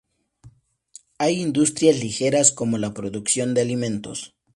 Hay industrias ligeras, como la producción de alimentos.